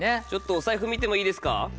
お財布見てもいいですか？